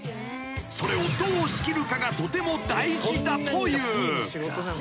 ［それをどう仕切るかがとても大事だという］